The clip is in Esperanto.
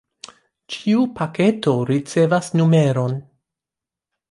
Ĉiu paketo ricevas numeron.